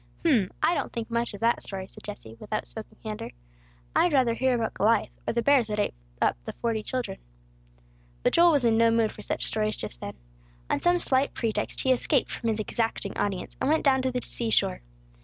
"H'm! I don't think much of that story," said Jesse, with out spoken candor. "I'd rather hear about Goliath, or the bears that ate up the forty children." But Joel was in no mood for such stories, just then. On some slight pretext he escaped from his exacting audience, and went down to the sea shore.